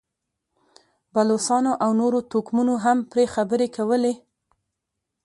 بلوڅانو او نورو توکمونو هم پرې خبرې کولې.